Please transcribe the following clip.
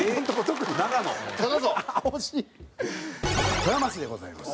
富山市でございます。